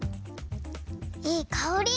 いいかおり！